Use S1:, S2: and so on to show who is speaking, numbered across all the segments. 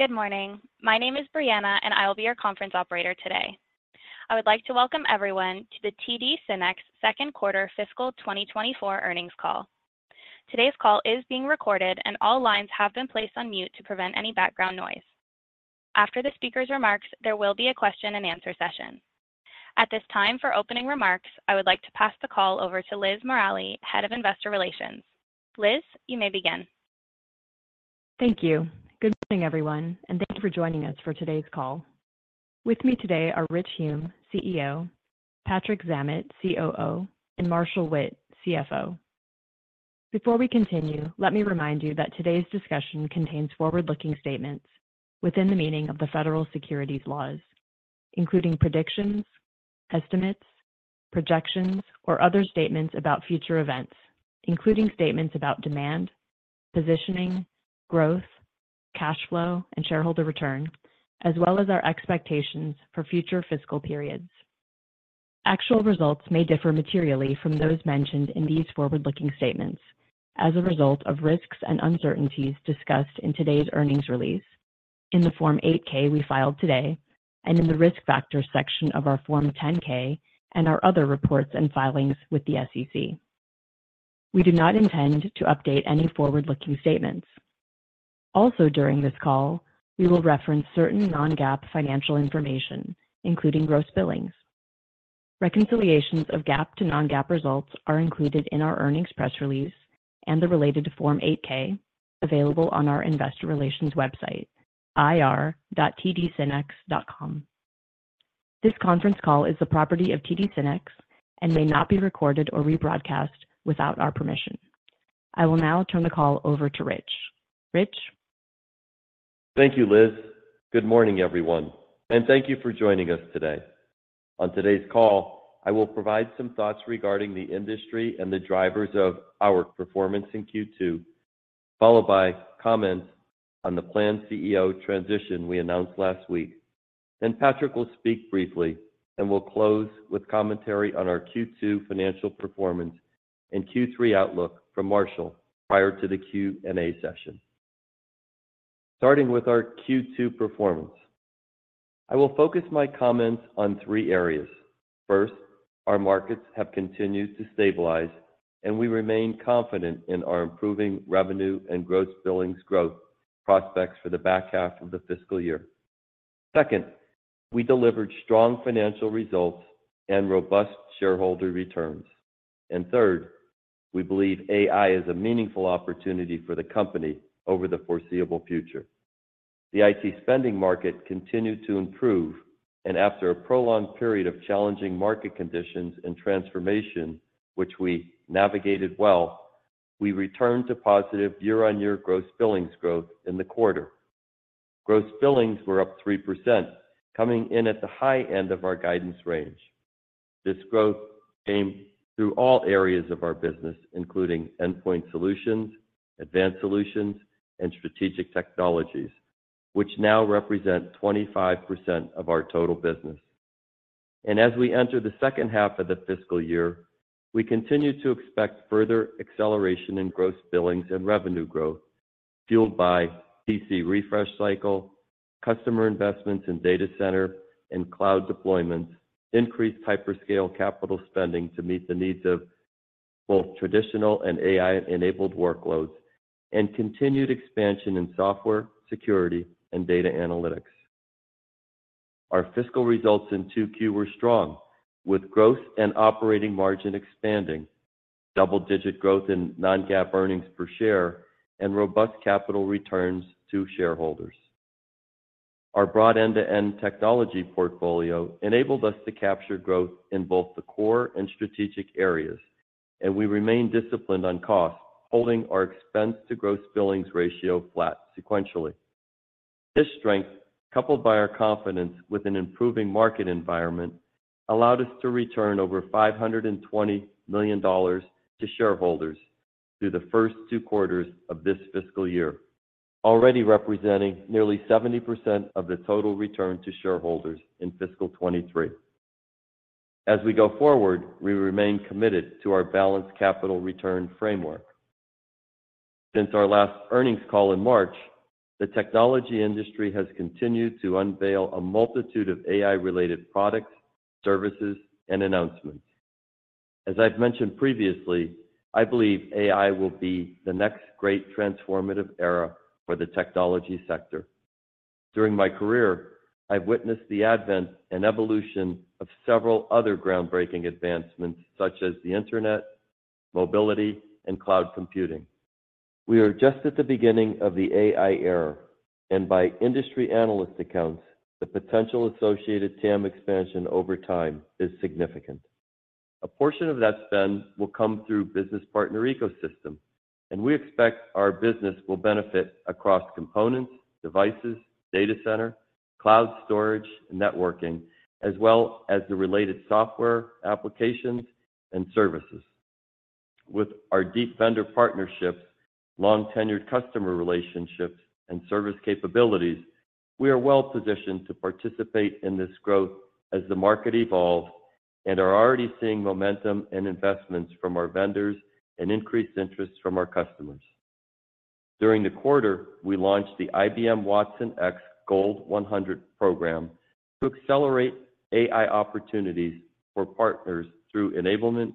S1: Good morning. My name is Brianna, and I will be your conference operator today. I would like to welcome everyone to the TD SYNNEX second quarter fiscal 2024 earnings call. Today's call is being recorded, and all lines have been placed on mute to prevent any background noise. After the speaker's remarks, there will be a question-and-answer session. At this time, for opening remarks, I would like to pass the call over to Liz Morali, Head of Investor Relations. Liz, you may begin.
S2: Thank you. Good morning, everyone, and thank you for joining us for today's call. With me today are Rich Hume, CEO; Patrick Zammit, COO; and Marshall Witt, CFO. Before we continue, let me remind you that today's discussion contains forward-looking statements within the meaning of the federal securities laws, including predictions, estimates, projections, or other statements about future events, including statements about demand, positioning, growth, cash flow, and shareholder return, as well as our expectations for future fiscal periods. Actual results may differ materially from those mentioned in these forward-looking statements as a result of risks and uncertainties discussed in today's earnings release, in the Form 8-K we filed today, and in the Risk Factors section of our Form 10-K and our other reports and filings with the SEC. We do not intend to update any forward-looking statements. Also, during this call, we will reference certain non-GAAP financial information, including gross billings. Reconciliations of GAAP to non-GAAP results are included in our earnings press release and the related Form 8-K, available on our investor relations website, ir.tdsynnex.com. This conference call is the property of TD SYNNEX and may not be recorded or rebroadcast without our permission. I will now turn the call over to Rich, Rich?
S3: Thank you, Liz. Good morning, everyone, and thank you for joining us today. On today's call, I will provide some thoughts regarding the industry and the drivers of our performance in Q2, followed by comments on the planned CEO transition we announced last week. Then Patrick will speak briefly, and we'll close with commentary on our Q2 financial performance and Q3 outlook from Marshall prior to the Q&A session. Starting with our Q2 performance, I will focus my comments on three areas. First, our markets have continued to stabilize, and we remain confident in our improving revenue and gross billings growth prospects for the back half of the fiscal year. Second, we delivered strong financial results and robust shareholder returns. And third, we believe AI is a meaningful opportunity for the company over the foreseeable future. The IT spending market continued to improve, and after a prolonged period of challenging market conditions and transformation, which we navigated well, we returned to positive year-on-year gross billings growth in the quarter. Gross billings were up 3%, coming in at the high end of our guidance range. This growth came through all areas of our business, including Endpoint Solutions, Advanced Solutions, and Strategic Technologies, which now represent 25% of our total business. And as we enter the second half of the fiscal year, we continue to expect further acceleration in gross billings and revenue growth, fueled by PC refresh cycle, customer investments in data center and cloud deployments, increased hyperscale capital spending to meet the needs of both traditional and AI-enabled workloads, and continued expansion in software, security, and data analytics. Our fiscal results in Q2 were strong, with growth and operating margin expanding, double-digit growth in non-GAAP earnings per share, and robust capital returns to shareholders. Our broad end-to-end technology portfolio enabled us to capture growth in both the core and strategic areas, and we remain disciplined on cost, holding our expense to gross billings ratio flat sequentially. This strength, coupled by our confidence with an improving market environment, allowed us to return over $520 million to shareholders through the first two quarters of this fiscal year, already representing nearly 70% of the total return to shareholders in fiscal 2023. As we go forward, we remain committed to our balanced capital return framework. Since our last earnings call in March, the technology industry has continued to unveil a multitude of AI-related products, services, and announcements. As I've mentioned previously, I believe AI will be the next great transformative era for the technology sector. During my career, I've witnessed the advent and evolution of several other groundbreaking advancements, such as the Internet, mobility, and cloud computing. We are just at the beginning of the AI era, and by industry analyst accounts, the potential associated TAM expansion over time is significant. A portion of that spend will come through business partner ecosystem, and we expect our business will benefit across components, devices, data center, cloud storage, and networking, as well as the related software, applications, and services. With our deep vendor partnerships, long-tenured customer relationships, and service capabilities, we are well-positioned to participate in this growth as the market evolves and are already seeing momentum and investments from our vendors and increased interest from our customers. During the quarter, we launched the IBM watsonx Gold 100 Program to accelerate AI opportunities for partners through enablement,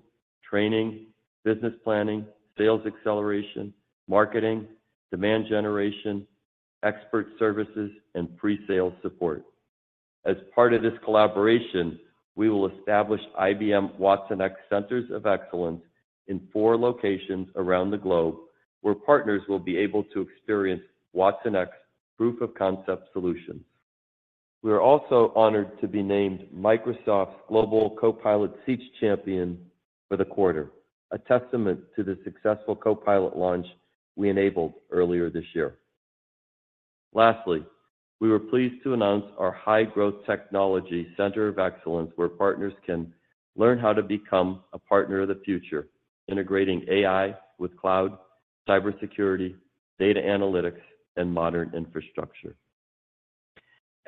S3: training, business planning, sales acceleration, marketing, demand generation, expert services, and pre-sale support. As part of this collaboration, we will establish IBM watsonx Centers of Excellence in four locations around the globe, where partners will be able to experience watsonx proof-of-concept solutions. We are also honored to be named Microsoft's Global Copilot Sales Champion for the quarter, a testament to the successful Copilot launch we enabled earlier this year. Lastly, we were pleased to announce our high-growth technology Center of Excellence, where partners can learn how to become a partner of the future, integrating AI with cloud, cybersecurity, data analytics, and modern infrastructure.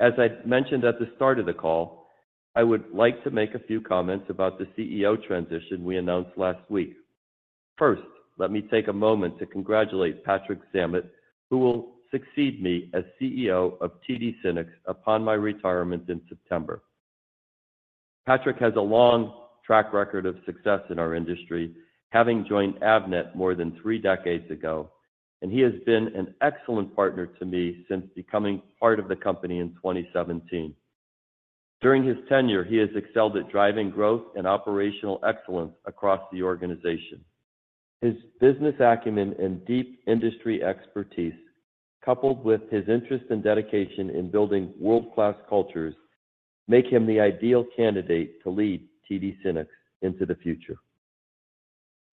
S3: As I mentioned at the start of the call, I would like to make a few comments about the CEO transition we announced last week. First, let me take a moment to congratulate Patrick Zammit, who will succeed me as CEO of TD SYNNEX upon my retirement in September. Patrick has a long track record of success in our industry, having joined Avnet more than three decades ago, and he has been an excellent partner to me since becoming part of the company in 2017. During his tenure, he has excelled at driving growth and operational excellence across the organization. His business acumen and deep industry expertise, coupled with his interest and dedication in building world-class cultures, make him the ideal candidate to lead TD SYNNEX into the future.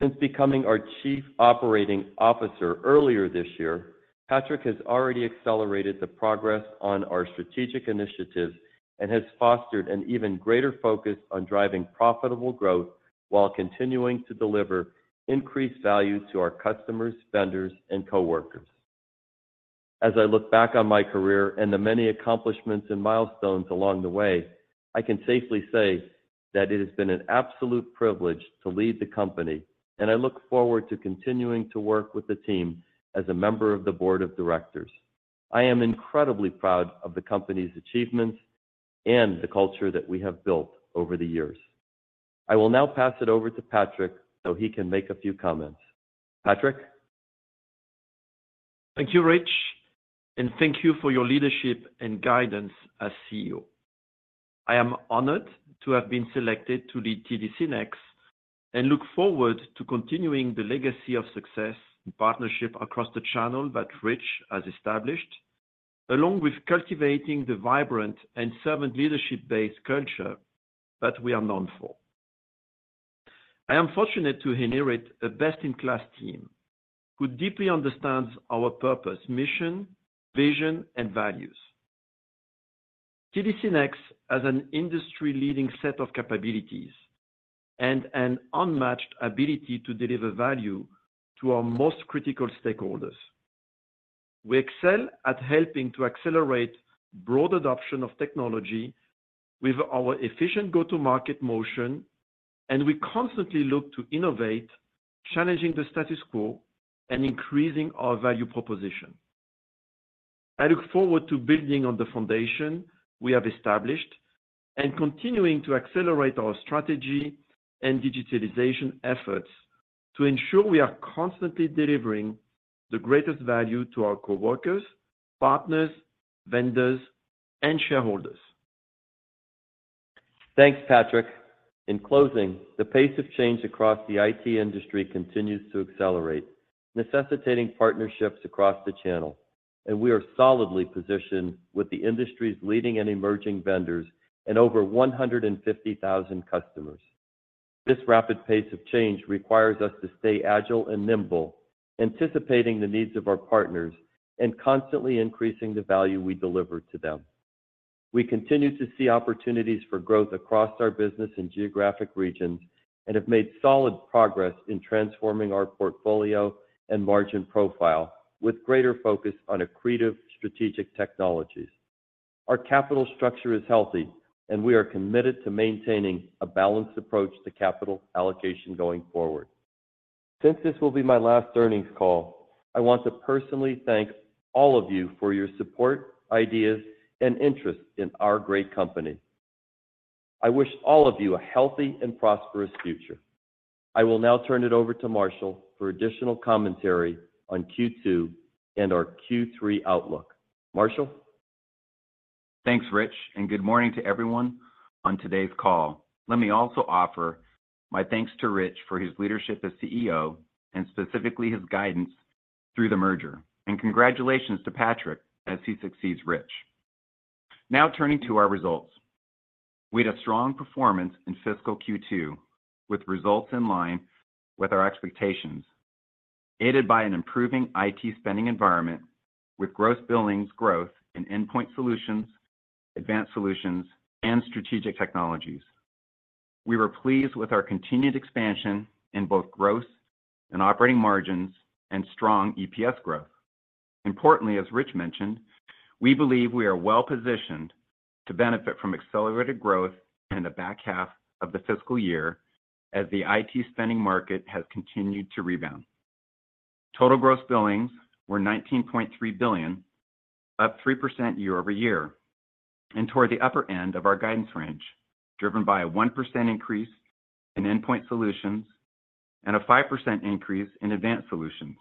S3: Since becoming our Chief Operating Officer earlier this year, Patrick has already accelerated the progress on our strategic initiatives and has fostered an even greater focus on driving profitable growth while continuing to deliver increased value to our customers, vendors, and coworkers. As I look back on my career and the many accomplishments and milestones along the way, I can safely say that it has been an absolute privilege to lead the company, and I look forward to continuing to work with the team as a member of the board of directors. I am incredibly proud of the company's achievements and the culture that we have built over the years. I will now pass it over to Patrick so he can make a few comments. Patrick?
S4: Thank you, Rich, and thank you for your leadership and guidance as CEO. I am honored to have been selected to lead TD SYNNEX and look forward to continuing the legacy of success and partnership across the channel that Rich has established, along with cultivating the vibrant and servant leadership-based culture that we are known for. I am fortunate to inherit a best-in-class team who deeply understands our purpose, mission, vision, and values. TD SYNNEX has an industry-leading set of capabilities and an unmatched ability to deliver value to our most critical stakeholders. We excel at helping to accelerate broad adoption of technology with our efficient go-to-market motion, and we constantly look to innovate, challenging the status quo, and increasing our value proposition. I look forward to building on the foundation we have established and continuing to accelerate our strategy and digitalization efforts to ensure we are constantly delivering the greatest value to our coworkers, partners, vendors, and shareholders.
S3: Thanks, Patrick. In closing, the pace of change across the IT industry continues to accelerate, necessitating partnerships across the channel, and we are solidly positioned with the industry's leading and emerging vendors and over 150,000 customers. This rapid pace of change requires us to stay agile and nimble, anticipating the needs of our partners and constantly increasing the value we deliver to them. We continue to see opportunities for growth across our business and geographic regions and have made solid progress in transforming our portfolio and margin profile with greater focus on accretive Strategic Technologies. Our capital structure is healthy, and we are committed to maintaining a balanced approach to capital allocation going forward. Since this will be my last earnings call, I want to personally thank all of you for your support, ideas, and interest in our great company. I wish all of you a healthy and prosperous future. I will now turn it over to Marshall for additional commentary on Q2 and our Q3 outlook. Marshall?
S5: Thanks, Rich, and good morning to everyone on today's call. Let me also offer my thanks to Rich for his leadership as CEO and specifically his guidance through the merger. Congratulations to Patrick as he succeeds Rich. Now, turning to our results. We had a strong performance in fiscal Q2, with results in line with our expectations, aided by an improving IT spending environment with gross billings growth in Endpoint Solutions, Advanced Solutions, and Strategic Technologies. We were pleased with our continued expansion in both gross and operating margins and strong EPS growth. Importantly, as Rich mentioned, we believe we are well-positioned to benefit from accelerated growth in the back half of the fiscal year as the IT spending market has continued to rebound. Total gross billings were $19.3 billion, up 3% year-over-year, and toward the upper end of our guidance range, driven by a 1% increase in Endpoint Solutions and a 5% increase in Advanced Solutions.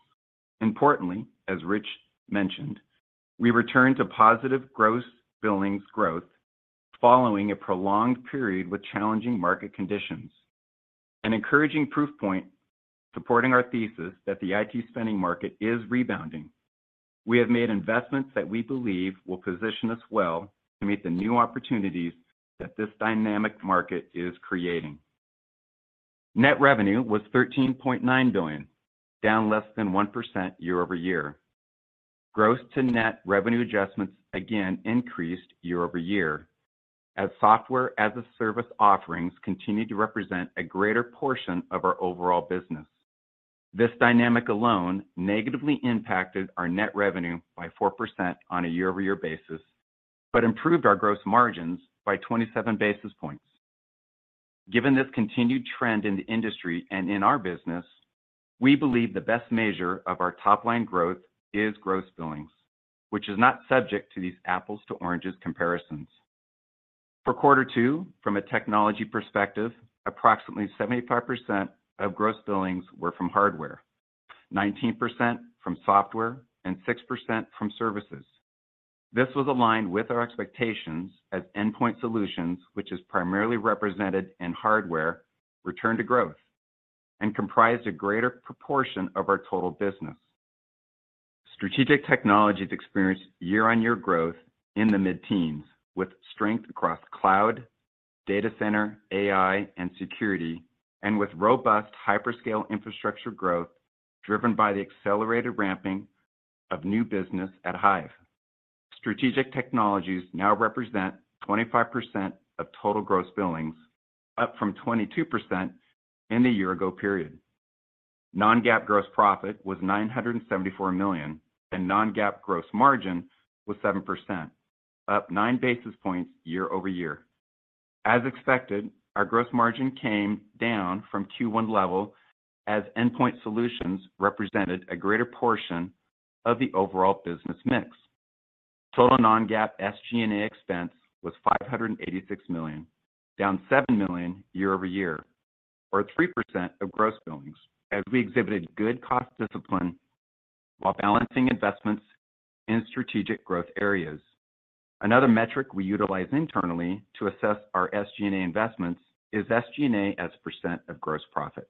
S5: Importantly, as Rich mentioned, we returned to positive gross billings growth following a prolonged period with challenging market conditions. An encouraging proof point supporting our thesis that the IT spending market is rebounding. We have made investments that we believe will position us well to meet the new opportunities that this dynamic market is creating. Net revenue was $13.9 billion, down less than 1% year-over-year. Gross to net revenue adjustments again increased year-over-year, as software as a service offerings continued to represent a greater portion of our overall business. This dynamic alone negatively impacted our net revenue by 4% on a year-over-year basis, but improved our gross margins by 27 basis points. Given this continued trend in the industry and in our business, we believe the best measure of our top-line growth is gross billings, which is not subject to these apples to oranges comparisons. For quarter two, from a technology perspective, approximately 75% of gross billings were from hardware, 19% from software and 6% from services. This was aligned with our expectations as Endpoint Solutions, which is primarily represented in hardware, returned to growth and comprised a greater proportion of our total business. Strategic Technologies experienced year-on-year growth in the mid-teens, with strength across cloud, data center, AI, and security, and with robust hyperscale infrastructure growth, driven by the accelerated ramping of new business at Hyve. Strategic Technologies now represent 25% of total gross billings, up from 22% in the year ago period. Non-GAAP gross profit was $974 million, and non-GAAP gross margin was 7%, up 9 basis points year over year. As expected, our gross margin came down from Q1 level as Endpoint Solutions represented a greater portion of the overall business mix. Total non-GAAP SG&A expense was $586 million, down $7 million year over year, or 3% of gross billings, as we exhibited good cost discipline while balancing investments in strategic growth areas. Another metric we utilize internally to assess our SG&A investments is SG&A as a percent of gross profit.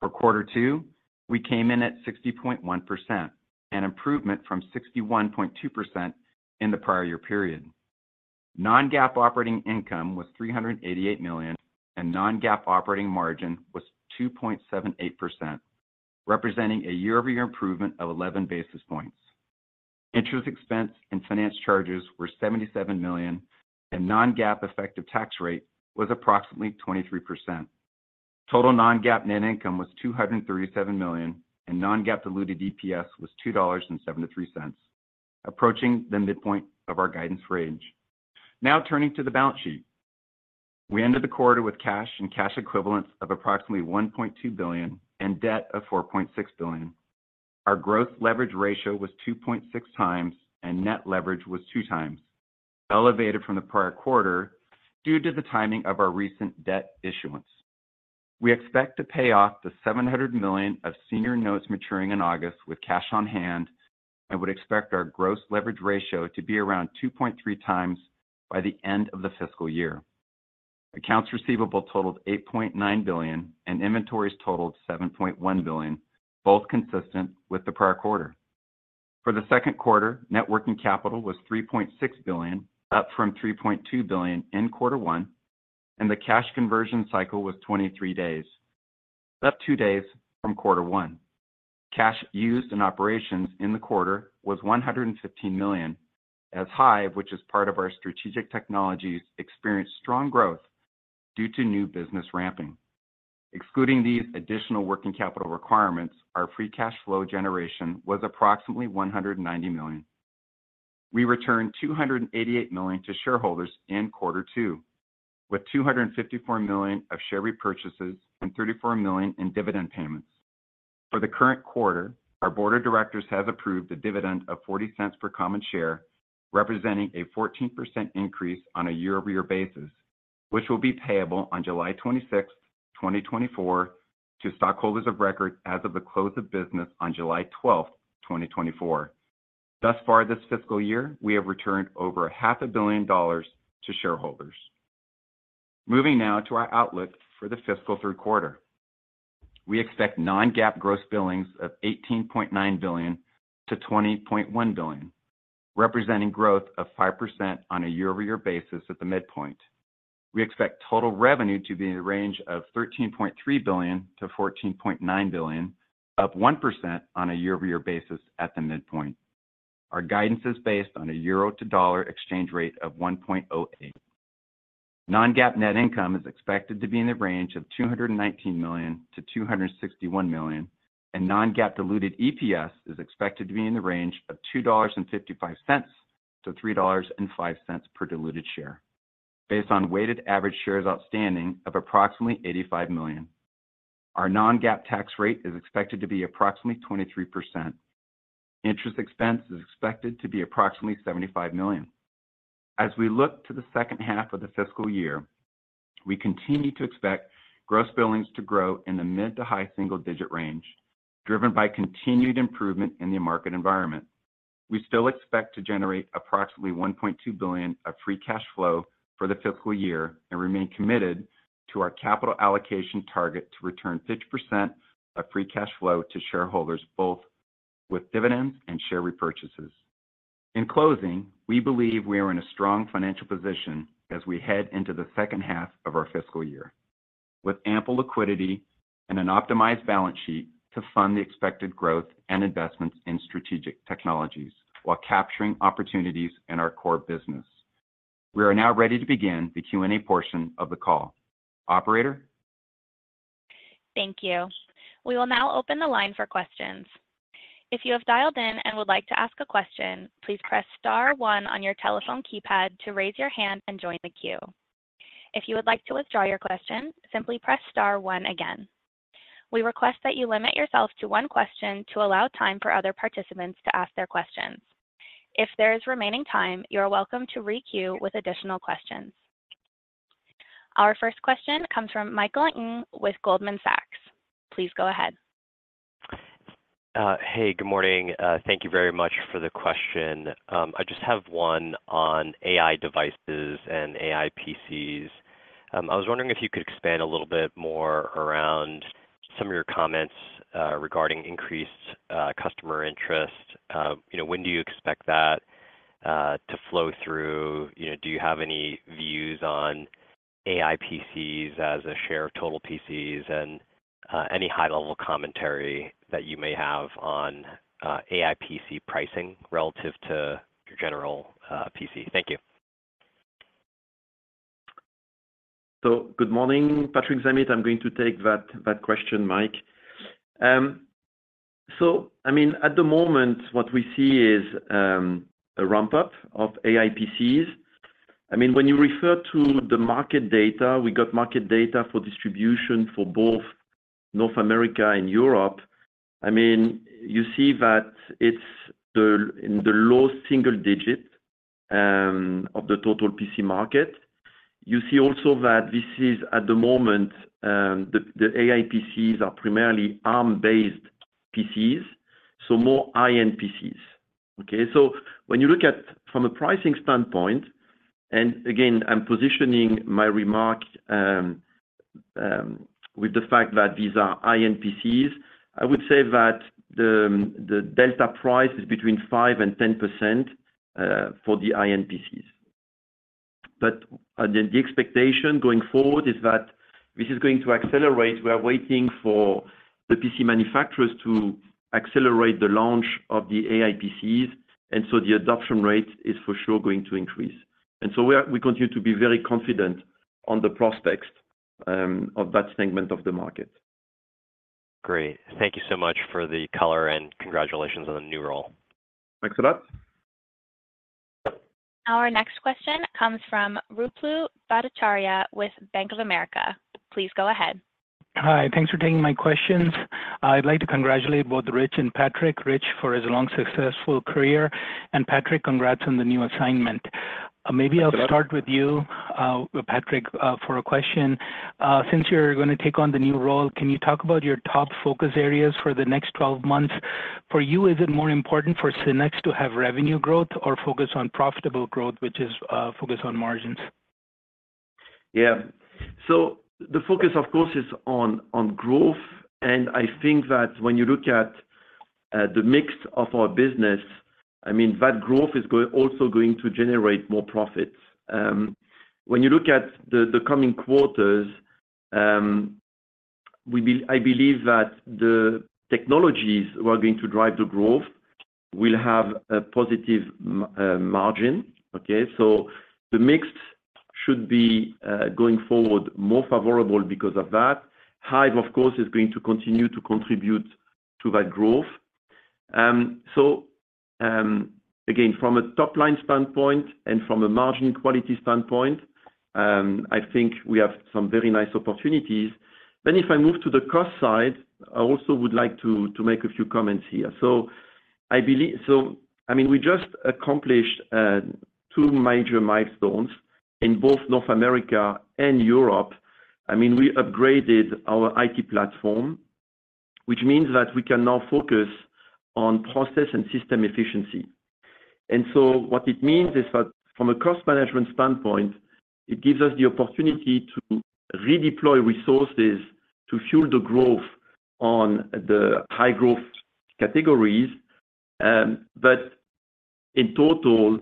S5: For quarter two, we came in at 60.1%, an improvement from 61.2% in the prior year period. Non-GAAP operating income was $388 million, and Non-GAAP operating margin was 2.78%, representing a year-over-year improvement of 11 basis points. Interest expense and finance charges were $77 million, and Non-GAAP effective tax rate was approximately 23%. Total Non-GAAP net income was $237 million, and Non-GAAP diluted EPS was $2.73, approaching the midpoint of our guidance range. Now turning to the balance sheet. We ended the quarter with cash and cash equivalents of approximately $1.2 billion and debt of $4.6 billion. Our gross leverage ratio was 2.6x and net leverage was 2x, elevated from the prior quarter due to the timing of our recent debt issuance. We expect to pay off the $700 million of senior notes maturing in August with cash on hand and would expect our gross leverage ratio to be around 2.3 times by the end of the fiscal year. Accounts receivable totaled $8.9 billion, and inventories totaled $7.1 billion, both consistent with the prior quarter. For the second quarter, working capital was $3.6 billion, up from $3.2 billion in quarter one, and the cash conversion cycle was 23 days, up 2 days from quarter one. Cash used in operations in the quarter was $115 million, as Hyve, which is part of our Strategic Technologies, experienced strong growth due to new business ramping. Excluding these additional working capital requirements, our free cash flow generation was approximately $190 million. We returned $288 million to shareholders in quarter two, with $254 million of share repurchases and $34 million in dividend payments. For the current quarter, our board of directors has approved a dividend of $0.40 per common share, representing a 14% increase on a year-over-year basis, which will be payable on July 26th, 2024, to stockholders of record as of the close of business on July 12th, 2024. Thus far, this fiscal year, we have returned over $500 million to shareholders. Moving now to our outlook for the fiscal third quarter. We expect non-GAAP gross billings of $18.9 billion-$20.1 billion, representing growth of 5% on a year-over-year basis at the midpoint. We expect total revenue to be in the range of $13.3 billion-$14.9 billion, up 1% on a year-over-year basis at the midpoint. Our guidance is based on a euro to dollar exchange rate of 1.08.... Non-GAAP net income is expected to be in the range of $219 million-$261 million, and non-GAAP diluted EPS is expected to be in the range of $2.55-$3.05 per diluted share, based on weighted average shares outstanding of approximately 85 million. Our non-GAAP tax rate is expected to be approximately 23%. Interest expense is expected to be approximately $75 million. As we look to the second half of the fiscal year, we continue to expect gross billings to grow in the mid- to high-single-digit range, driven by continued improvement in the market environment. We still expect to generate approximately $1.2 billion of free cash flow for the fiscal year and remain committed to our capital allocation target to return 50% of free cash flow to shareholders, both with dividends and share repurchases. In closing, we believe we are in a strong financial position as we head into the second half of our fiscal year, with ample liquidity and an optimized balance sheet to fund the expected growth and investments in Strategic Technologies, while capturing opportunities in our core business. We are now ready to begin the Q&A portion of the call. Operator?
S1: Thank you. We will now open the line for questions. If you have dialed in and would like to ask a question, please press star one on your telephone keypad to raise your hand and join the queue. If you would like to withdraw your question, simply press star one again. We request that you limit yourself to one question to allow time for other participants to ask their questions. If there is remaining time, you are welcome to re-queue with additional questions. Our first question comes from Michael Ng with Goldman Sachs. Please go ahead.
S6: Hey, good morning. Thank you very much for the question. I just have one on AI devices and AI PCs. I was wondering if you could expand a little bit more around some of your comments regarding increased customer interest. You know, when do you expect that to flow through? You know, do you have any views on AI PCs as a share of total PCs, and any high-level commentary that you may have on AI PC pricing relative to your general PC? Thank you.
S4: So good morning, Patrick Zammit. I'm going to take that, that question, Mike. So I mean, at the moment, what we see is a ramp-up of AI PCs. I mean, when you refer to the market data, we got market data for distribution for both North America and Europe. I mean, you see that it's in the low single digit of the total PC market. You see also that this is, at the moment, the AI PCs are primarily Arm-based PCs, so more high-end PCs, okay? So when you look at from a pricing standpoint, and again, I'm positioning my remark with the fact that these are high-end PCs, I would say that the delta price is between 5%-10% for the high-end PCs. But the expectation going forward is that this is going to accelerate. We are waiting for the PC manufacturers to accelerate the launch of the AI PCs, and so the adoption rate is for sure going to increase. And so we are, we continue to be very confident on the prospects of that segment of the market.
S6: Great. Thank you so much for the color, and congratulations on the new role.
S4: Thanks a lot.
S1: Our next question comes from Ruplu Bhattacharya with Bank of America. Please go ahead.
S7: Hi, thanks for taking my questions. I'd like to congratulate both Rich and Patrick. Rich, for his long, successful career, and Patrick, congrats on the new assignment.
S4: Thanks a lot.
S7: Maybe I'll start with you, Patrick, for a question. Since you're gonna take on the new role, can you talk about your top focus areas for the next 12 months? For you, is it more important for TD SYNNEX to have revenue growth or focus on profitable growth, which is focus on margins?
S4: Yeah. So the focus, of course, is on growth, and I think that when you look at the mix of our business, I mean, that growth is also going to generate more profits. When you look at the coming quarters, I believe that the technologies who are going to drive the growth will have a positive margin, okay? So the mix should be, going forward, more favorable because of that. Hyve, of course, is going to continue to contribute to that growth. So, again, from a top-line standpoint and from a margin quality standpoint, I think we have some very nice opportunities. Then if I move to the cost side, I also would like to make a few comments here. So I believe... So, I mean, we just accomplished two major milestones in both North America and Europe. I mean, we upgraded our IT platform, which means that we can now focus on process and system efficiency. And so what it means is that from a cost management standpoint, it gives us the opportunity to redeploy resources to fuel the growth on the high growth categories, but in total,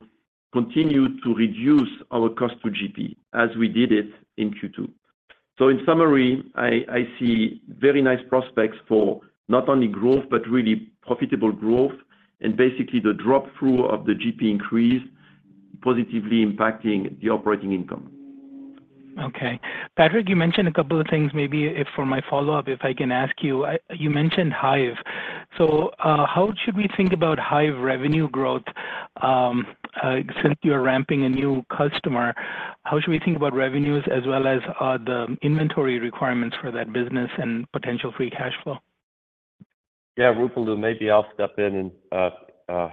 S4: continue to reduce our cost to GP, as we did it in Q2. So in summary, I see very nice prospects for not only growth, but really profitable growth, and basically the drop through of the GP increase positively impacting the operating income.
S7: Okay. Patrick, you mentioned a couple of things. Maybe if for my follow-up, if I can ask you, you mentioned Hyve. So, how should we think about Hyve revenue growth, since you're ramping a new customer, how should we think about revenues as well as the inventory requirements for that business and potential free cash flow?
S3: Yeah, Ruplu, maybe I'll step in and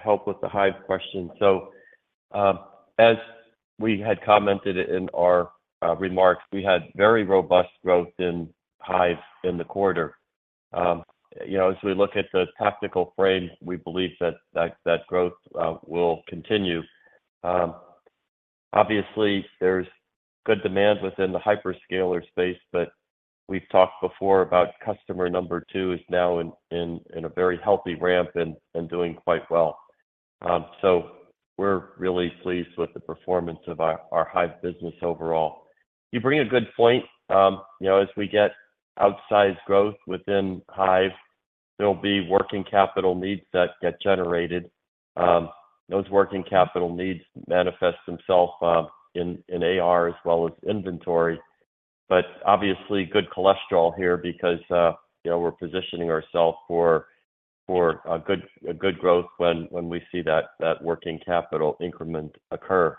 S3: help with the Hyve question. So, as we had commented in our remarks, we had very robust growth in Hyve in the quarter. You know, as we look at the tactical frame, we believe that growth will continue. Obviously, there's good demand within the hyperscaler space, but we've talked before about customer number two is now in a very healthy ramp and doing quite well. So, we're really pleased with the performance of our Hyve business overall. You bring a good point. You know, as we get outsized growth within Hyve, there'll be working capital needs that get generated. Those working capital needs manifest themselves in AR as well as inventory. But obviously, good cholesterol here because, you know, we're positioning ourselves for a good growth when we see that working capital increment occur.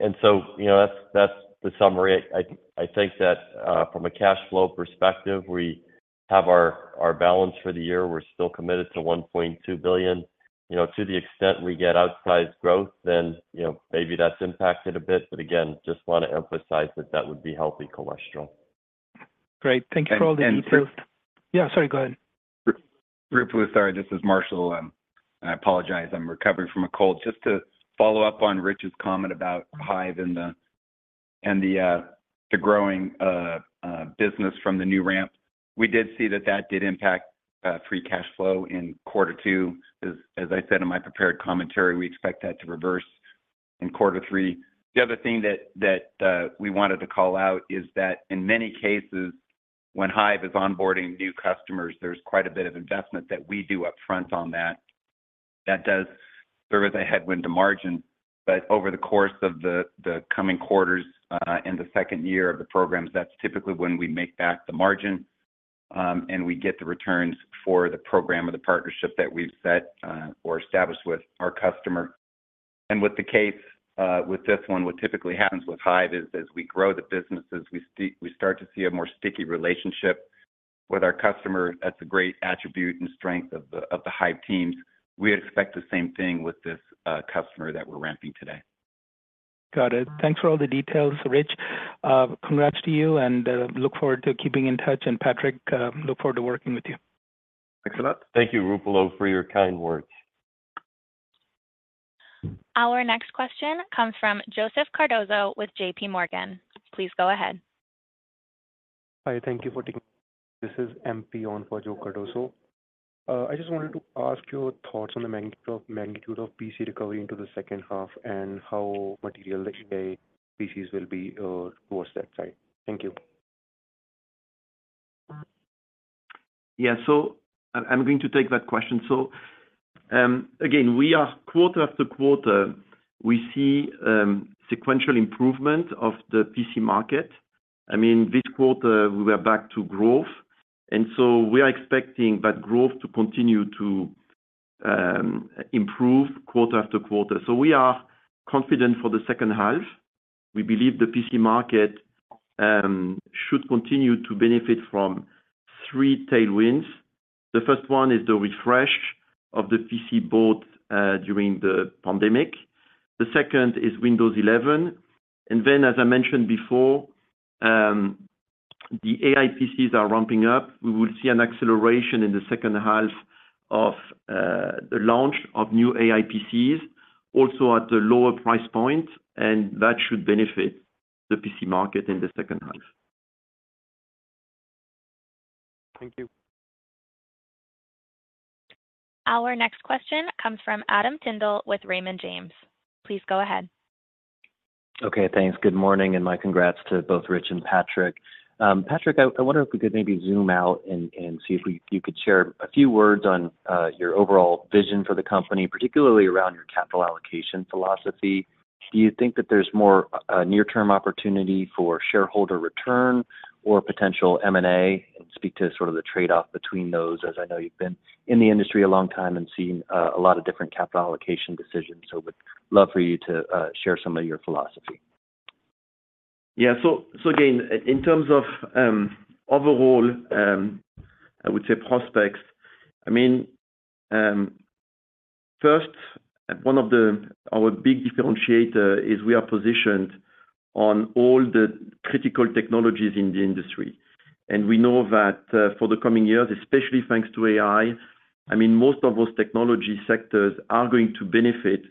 S3: And so, you know, that's the summary. I think that from a cash flow perspective, we have our balance for the year. We're still committed to $1.2 billion. You know, to the extent we get outsized growth, then, you know, maybe that's impacted a bit, but again, just want to emphasize that that would be healthy cholesterol.
S7: Great, thank you for all the details.
S5: And, and-
S7: Yeah, sorry, go ahead.
S5: Ruplu, sorry, this is Marshall, and I apologize, I'm recovering from a cold. Just to follow up on Rich's comment about Hyve and the growing business from the new ramp. We did see that that did impact free cash flow in quarter two. As I said in my prepared commentary, we expect that to reverse in quarter three. The other thing that we wanted to call out is that in many cases, when Hyve is onboarding new customers, there's quite a bit of investment that we do upfront on that. That does serve as a headwind to margin, but over the course of the coming quarters, in the second year of the programs, that's typically when we make back the margin, and we get the returns for the program or the partnership that we've set, or established with our customer. And with the case, with this one, what typically happens with Hyve is as we grow the businesses, we start to see a more sticky relationship with our customer. That's a great attribute and strength of the Hyve teams. We expect the same thing with this customer that we're ramping today.
S7: Got it. Thanks for all the details, Rich. Congrats to you, and look forward to keeping in touch, and Patrick, look forward to working with you.
S3: Thanks a lot. Thank you, Ruplu, for your kind words.
S1: Our next question comes from Joseph Cardoso with J.P. Morgan. Please go ahead.
S8: Hi, thank you for taking... This is MP on for Joe Cardoso. I just wanted to ask your thoughts on the magnitude, magnitude of PC recovery into the second half and how material the AI PCs will be towards that side. Thank you.
S4: Yeah. So I, I'm going to take that question. So, again, we are quarter after quarter, we see sequential improvement of the PC market. I mean, this quarter we are back to growth, and so we are expecting that growth to continue to improve quarter after quarter. So we are confident for the second half. We believe the PC market should continue to benefit from three tailwinds. The first one is the refresh of the PC bought during the pandemic. The second is Windows 11, and then, as I mentioned before, the AI PCs are ramping up. We will see an acceleration in the second half of the launch of new AI PCs, also at a lower price point, and that should benefit the PC market in the second half.
S8: Thank you.
S1: Our next question comes from Adam Tindle with Raymond James. Please go ahead.
S9: Okay, thanks. Good morning, and my congrats to both Rich and Patrick. Patrick, I wonder if we could maybe zoom out and you could share a few words on your overall vision for the company, particularly around your capital allocation philosophy. Do you think that there's more near-term opportunity for shareholder return or potential M&A? And speak to sort of the trade-off between those, as I know you've been in the industry a long time and seen a lot of different capital allocation decisions, so would love for you to share some of your philosophy.
S4: Yeah. So again, in terms of overall, I would say prospects, I mean, first, one of the, our big differentiator is we are positioned on all the critical technologies in the industry, and we know that, for the coming years, especially thanks to AI, I mean, most of those technology sectors are going to benefit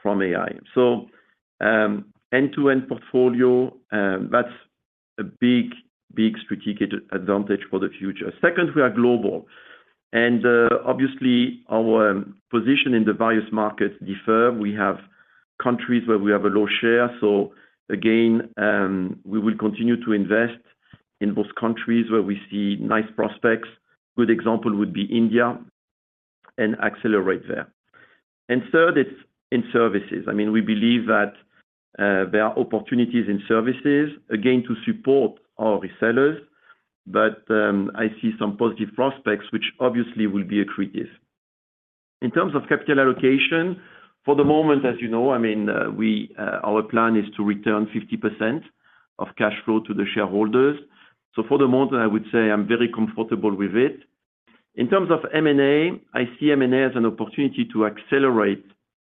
S4: from AI. So, end-to-end portfolio, that's a big, big strategic advantage for the future. Second, we are global. Obviously, our position in the various markets differ. We have countries where we have a low share. So again, we will continue to invest in those countries where we see nice prospects, good example would be India, and accelerate there. Third, it's in services. I mean, we believe that, there are opportunities in services, again, to support our resellers, but, I see some positive prospects, which obviously will be accretive. In terms of capital allocation, for the moment, as you know, I mean, we, our plan is to return 50% of cash flow to the shareholders. So for the moment, I would say I'm very comfortable with it. In terms of M&A, I see M&A as an opportunity to accelerate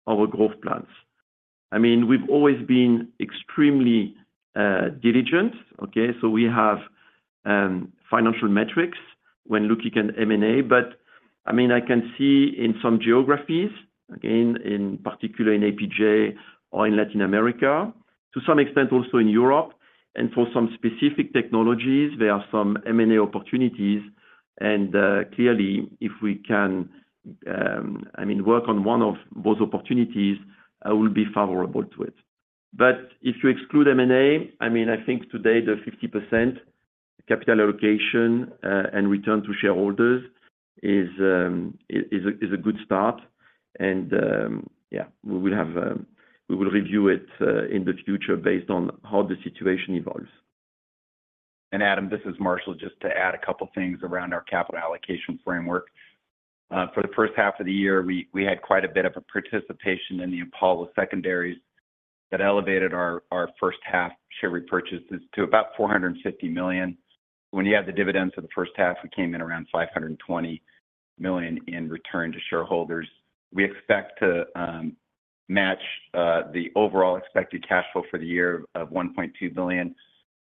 S4: our growth plans. I mean, we've always been extremely, diligent, okay? So we have, financial metrics when looking at M&A, but I mean, I can see in some geographies, again, in particular in APJ or in Latin America, to some extent, also in Europe, and for some specific technologies, there are some M&A opportunities. Clearly, if we can, I mean, work on one of those opportunities, I will be favorable to it. But if you exclude M&A, I mean, I think today, the 50% capital allocation and return to shareholders is a good start. Yeah, we will review it in the future based on how the situation evolves.
S5: And Adam, this is Marshall, just to add a couple things around our capital allocation framework. For the first half of the year, we had quite a bit of a participation in the Apollo secondaries that elevated our first half share repurchases to about $450 million. When you add the dividends for the first half, we came in around $520 million in return to shareholders. We expect to match the overall expected cash flow for the year of $1.2 billion.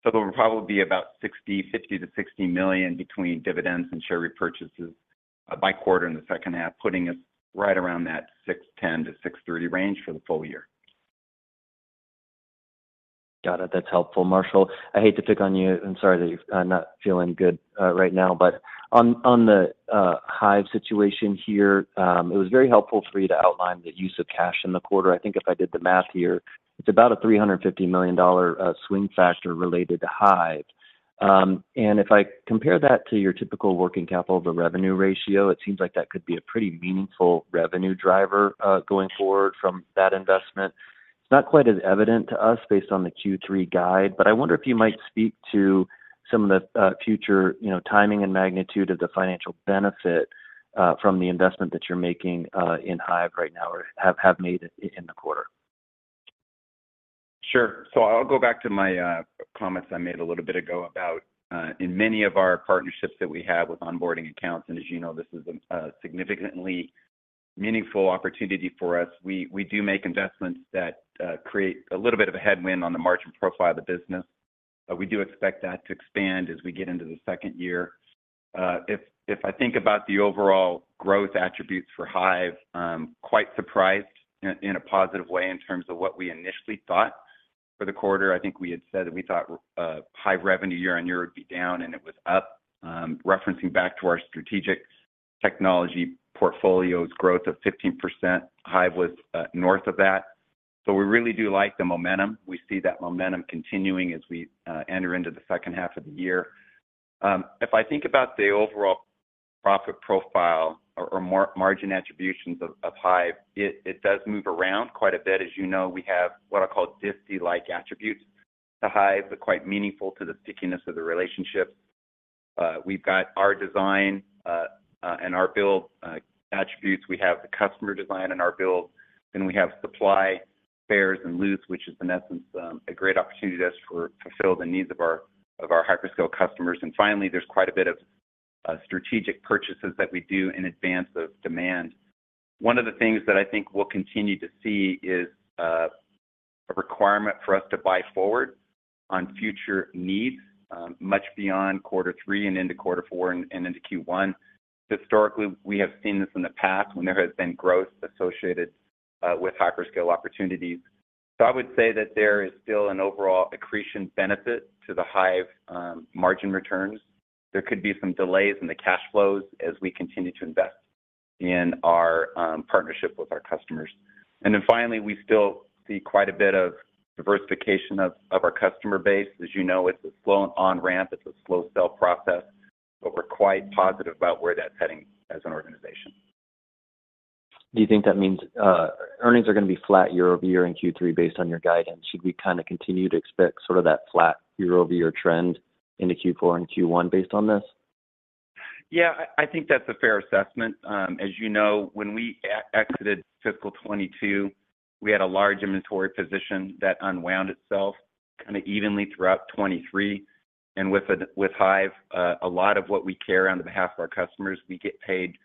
S5: So there will probably be about $50 million-$60 million between dividends and share repurchases by quarter in the second half, putting us right around that $610 million-$630 million range for the full year.
S9: Got it. That's helpful, Marshall. I hate to pick on you, and sorry that you're not feeling good right now, but on the Hyve situation here, it was very helpful for you to outline the use of cash in the quarter. I think if I did the math here, it's about a $350 million swing factor related to Hyve. And if I compare that to your typical working capital to revenue ratio, it seems like that could be a pretty meaningful revenue driver going forward from that investment. It's not quite as evident to us based on the Q3 guide, but I wonder if you might speak to some of the, future, you know, timing and magnitude of the financial benefit, from the investment that you're making, in Hyve right now or have made in the quarter.
S5: Sure. So I'll go back to my comments I made a little bit ago about in many of our partnerships that we have with onboarding accounts, and as you know, this is a significantly meaningful opportunity for us. We, we do make investments that create a little bit of a headwind on the margin profile of the business, but we do expect that to expand as we get into the second year. If, if I think about the overall growth attributes for Hyve, quite surprised in a positive way in terms of what we initially thought for the quarter. I think we had said that we thought Hyve revenue year-over-year would be down, and it was up. Referencing back to our strategic technology portfolio's growth of 15%, Hyve was north of that. So we really do like the momentum. We see that momentum continuing as we enter into the second half of the year. If I think about the overall profit profile or margin attributions of Hyve, it does move around quite a bit. As you know, we have what are called Disty-like attributes to Hyve, but quite meaningful to the stickiness of the relationship. We've got our design and our build attributes. We have the customer design and our build, then we have supply chains and logistics, which is in essence a great opportunity for us to fulfill the needs of our hyperscale customers. And finally, there's quite a bit of strategic purchases that we do in advance of demand. One of the things that I think we'll continue to see is a requirement for us to buy forward on future needs, much beyond quarter three and into quarter four and, and into Q1. Historically, we have seen this in the past when there has been growth associated with hyperscale opportunities. So I would say that there is still an overall accretion benefit to the Hyve, margin returns. There could be some delays in the cash flows as we continue to invest in our partnership with our customers. And then finally, we still see quite a bit of diversification of, of our customer base. As you know, it's a slow on-ramp, it's a slow sell process, but we're quite positive about where that's heading as an organization.
S9: Do you think that means, earnings are gonna be flat year over year in Q3 based on your guidance? Should we kinda continue to expect sort of that flat year over year trend into Q4 and Q1 based on this?
S5: Yeah, I think that's a fair assessment. As you know, when we exited fiscal 2022, we had a large inventory position that unwound itself kinda evenly throughout 2023. And with Hyve, a lot of what we carry on behalf of our customers, we get paid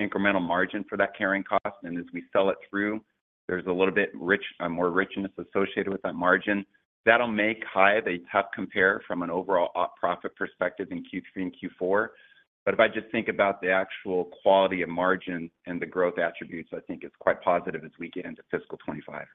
S5: incremental margin for that carrying cost, and as we sell it through, there's a little bit more richness associated with that margin. That'll make Hyve a tough compare from an overall op profit perspective in Q3 and Q4. But if I just think about the actual quality of margin and the growth attributes, I think it's quite positive as we get into fiscal 2025.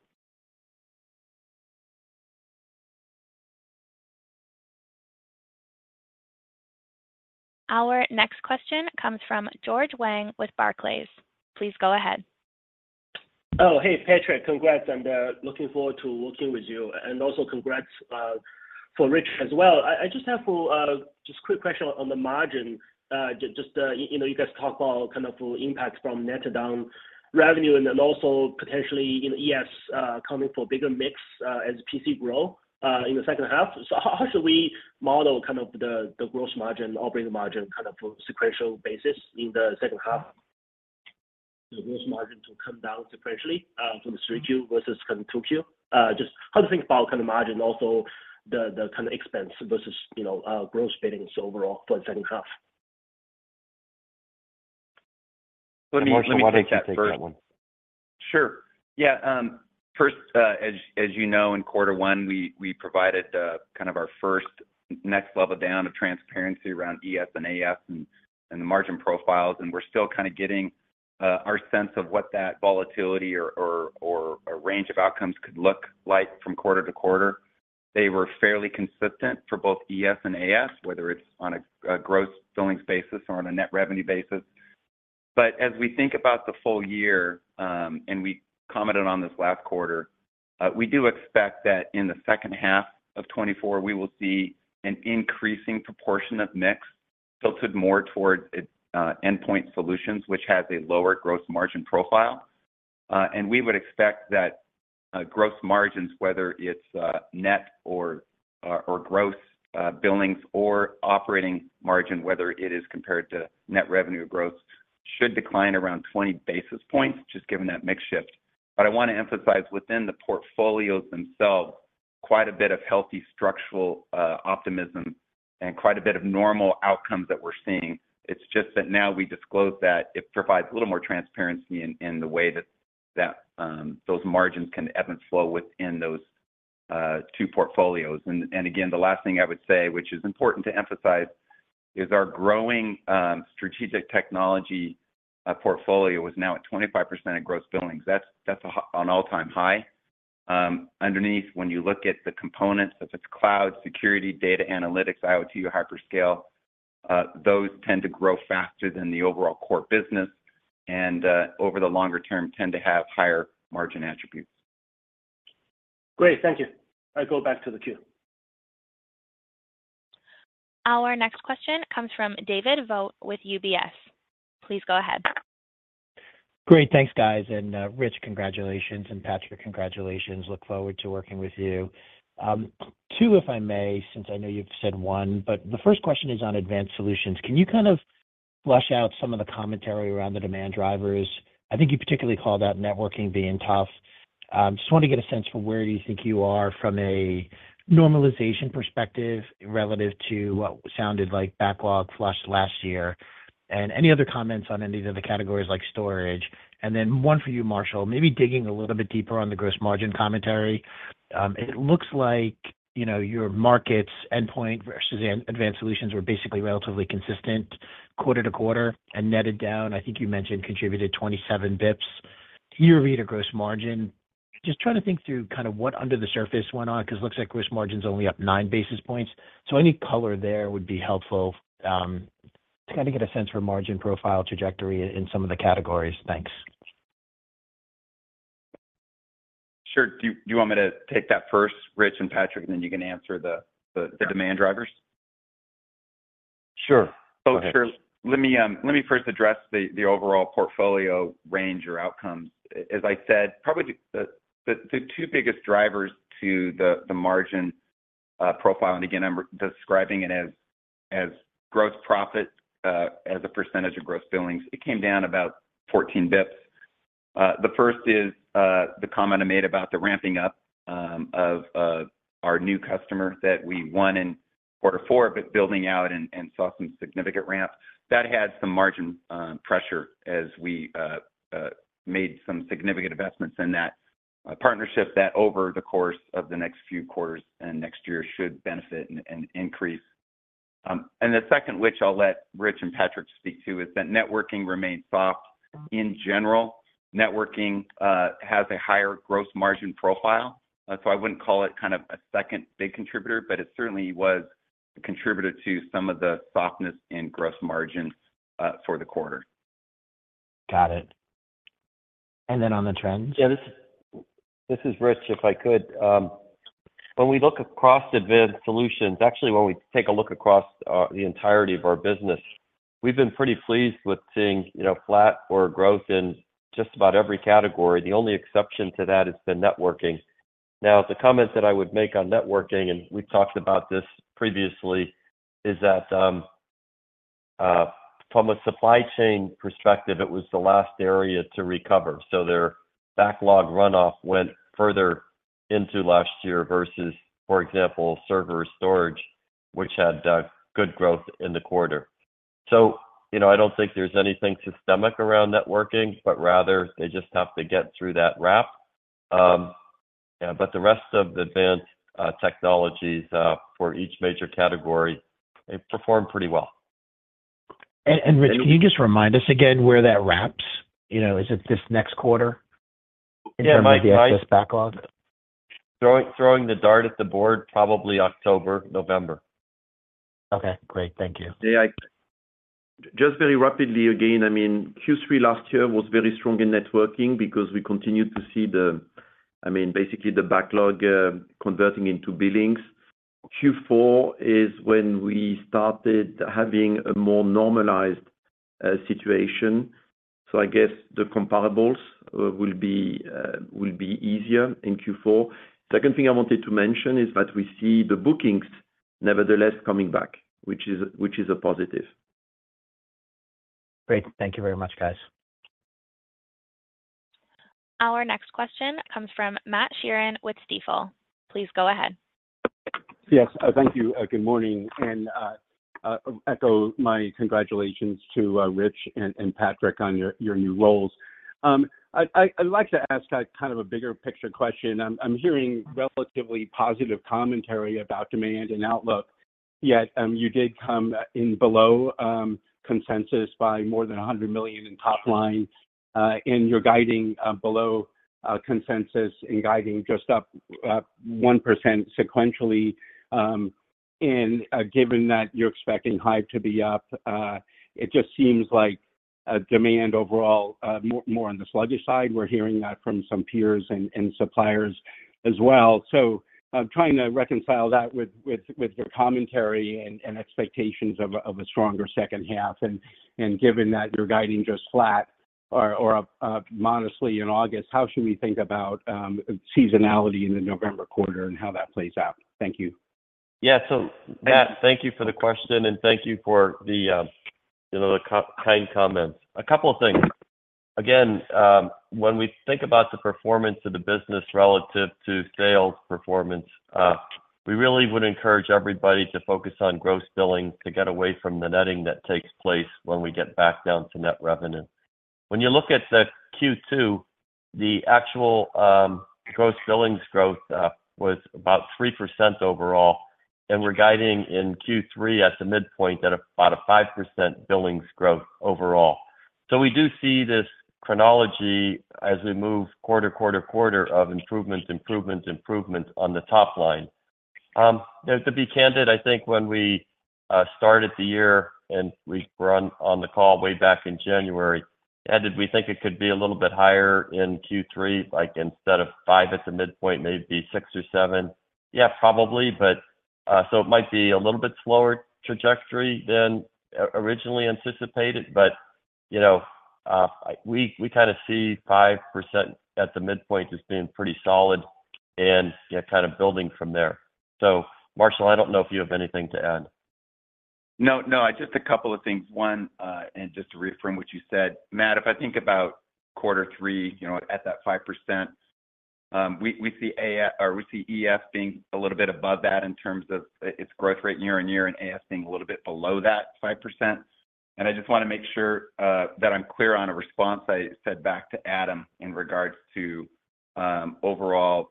S1: Our next question comes from George Wang with Barclays. Please go ahead.
S10: Oh, hey, Patrick. Congrats, and, looking forward to working with you, and also congrats, for Rich as well. I just have to, just quick question on the margin. You know, you guys talk about kind of impacts from net down revenue and then also potentially, you know, ES coming for bigger mix, as PC grow in the second half. So how should we model kind of the gross margin, operating margin, kind of sequential basis in the second half? The gross margin to come down sequentially from the 3Q versus kind of 2Q. Just how to think about kind of margin, also the kind of expense versus, you know, gross billings overall for the second half.
S5: Let me take that first.
S3: Marshall, why don't you take that one?
S5: Sure. Yeah, first, as you know, in quarter one, we provided kind of our first next level down of transparency around ES and AS and the margin profiles, and we're still kind of getting our sense of what that volatility or a range of outcomes could look like from quarter to quarter. They were fairly consistent for both ES and AS, whether it's on a gross billings basis or on a net revenue basis. But as we think about the full year, and we commented on this last quarter, we do expect that in the second half of 2024, we will see an increasing proportion of mix tilted more towards endpoint solutions, which has a lower gross margin profile. And we would expect that, gross margins, whether it's net or gross billings or operating margin, whether it is compared to net revenue or gross, should decline around 20 basis points, just given that mix shift. But I want to emphasize within the portfolios themselves, quite a bit of healthy structural optimism and quite a bit of normal outcomes that we're seeing. It's just that now we disclose that it provides a little more transparency in the way that those margins can ebb and flow within those two portfolios. And again, the last thing I would say, which is important to emphasize, is our growing strategic technology portfolio is now at 25% of gross billings. That's an all-time high. Underneath, when you look at the components, if it's cloud, security, data analytics, IoT, hyperscale, those tend to grow faster than the overall core business and, over the longer term, tend to have higher margin attributes.
S10: Great. Thank you. I go back to the queue.
S1: Our next question comes from David Vogt with UBS. Please go ahead.
S11: Great. Thanks, guys. And Rich, congratulations. And Patrick, congratulations. Look forward to working with you. Two, if I may, since I know you've said one, but the first question is on Advanced Solutions. Can you kind of flesh out some of the commentary around the demand drivers? I think you particularly called out Networking being tough. Just want to get a sense for where you think you are from a normalization perspective relative to what sounded like backlog flushed last year, and any other comments on any of the other categories like storage. And then one for you, Marshall, maybe digging a little bit deeper on the gross margin commentary. It looks like, you know, your mix Endpoint versus Advanced Solutions were basically relatively consistent quarter-to-quarter and netted down, I think you mentioned, contributed 27 basis points year-over-year to gross margin. Just trying to think through kind of what under the surface went on, because it looks like gross margin is only up 9 basis points. So any color there would be helpful, to kind of get a sense for margin profile trajectory in some of the categories. Thanks.
S5: Sure. Do you want me to take that first, Rich and Patrick, and then you can answer the demand drivers?
S3: Sure.
S5: So, sure. Let me first address the overall portfolio range or outcomes. As I said, probably the two biggest drivers to the margin profile, and again, I'm describing it as gross profit as a percentage of gross billings, it came down about 14 basis points. The first is the comment I made about the ramping up of our new customer that we won in quarter four, but building out and saw some significant ramp. That had some margin pressure as we made some significant investments in that partnership, that over the course of the next few quarters and next year should benefit and increase. And the second, which I'll let Rich and Patrick speak to, is that networking remains soft. In general, networking has a higher gross margin profile. So, I wouldn't call it kind of a second big contributor, but it certainly was a contributor to some of the softness in gross margin for the quarter.
S11: Got it. And then on the trends?
S3: Yeah, this is Rich, if I could. When we look across Advanced Solutions, actually, when we take a look across the entirety of our business, we've been pretty pleased with seeing, you know, flat or growth in just about every category. The only exception to that has been Networking. Now, the comment that I would make on Networking, and we've talked about this previously, is that from a supply chain perspective, it was the last area to recover. So their backlog runoff went further into last year versus, for example, server storage, which had good growth in the quarter. So, you know, I don't think there's anything systemic around Networking, but rather they just have to get through that wrap. But the rest of the advanced technologies for each major category, they performed pretty well....
S11: And, Rich, can you just remind us again where that wraps? You know, is it this next quarter in terms of the access backlog?
S3: Throwing the dart at the board, probably October, November.
S11: Okay, great. Thank you.
S4: Yeah, I just very rapidly again, I mean, Q3 last year was very strong in Networking because we continued to see the, I mean, basically the backlog converting into billings. Q4 is when we started having a more normalized situation, so I guess the comparables will be easier in Q4. Second thing I wanted to mention is that we see the bookings nevertheless coming back, which is a positive.
S11: Great. Thank you very much, guys.
S1: Our next question comes from Matt Sheerin with Stifel. Please go ahead.
S12: Yes, thank you. Good morning, and echo my congratulations to Rich and Patrick on your new roles. I'd like to ask a kind of a bigger picture question. I'm hearing relatively positive commentary about demand and outlook, yet you did come in below consensus by more than $100 million in top line, and you're guiding below consensus and guiding just up 1% sequentially. And given that you're expecting Hyve to be up, it just seems like demand overall more on the sludgy side. We're hearing that from some peers and suppliers as well. So I'm trying to reconcile that with your commentary and expectations of a stronger second half, and given that you're guiding just flat or up modestly in August, how should we think about seasonality in the November quarter and how that plays out? Thank you.
S3: Yeah. So Matt, thank you for the question, and thank you for the, you know, the kind comments. A couple of things. Again, when we think about the performance of the business relative to sales performance, we really would encourage everybody to focus on gross billings to get away from the netting that takes place when we get back down to net revenue. When you look at the Q2, the actual, gross billings growth, was about 3% overall, and we're guiding in Q3 at the midpoint at about a 5% billings growth overall. So we do see this chronology as we move quarter to quarter, quarter of improvements, improvements, improvements on the top line. To be candid, I think when we started the year and we were on the call way back in January, and did we think it could be a little bit higher in Q3, like instead of 5% at the midpoint, maybe 6% or 7%? Yeah, probably, but so it might be a little bit slower trajectory than originally anticipated, but, you know, we kinda see 5% at the midpoint as being pretty solid and, yeah, kind of building from there. So Marshall, I don't know if you have anything to add.
S5: No, no, just a couple of things. One, and just to reframe what you said, Matt, if I think about quarter three, you know, at that 5%, we see ES... or we see ES being a little bit above that in terms of its growth rate year-on-year, and AS being a little bit below that 5%. And I just wanna make sure that I'm clear on a response I said back to Adam in regards to overall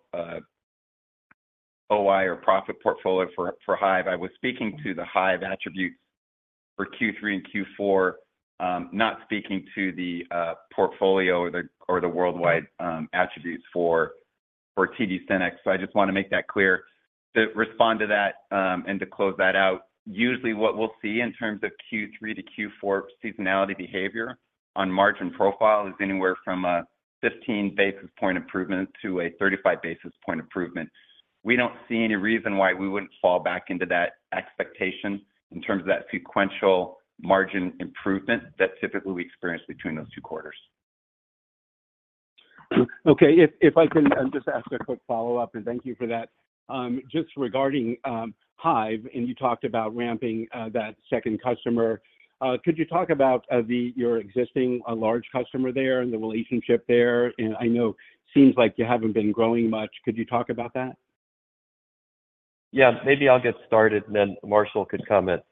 S5: OI or profit portfolio for Hyve. I was speaking to the Hyve attributes for Q3 and Q4, not speaking to the portfolio or the worldwide attributes for TD SYNNEX. So I just want to make that clear, to respond to that, and to close that out. Usually, what we'll see in terms of Q3 to Q4 seasonality behavior on margin profile is anywhere from a 15 basis point improvement to a 35 basis point improvement. We don't see any reason why we wouldn't fall back into that expectation in terms of that sequential margin improvement that typically we experience between those two quarters.
S12: Okay. If I can just ask a quick follow-up, and thank you for that. Just regarding Hyve, and you talked about ramping that second customer. Could you talk about your existing large customer there and the relationship there? And I know it seems like you haven't been growing much. Could you talk about that?
S3: Yeah. Maybe I'll get started, and then Marshall could comment.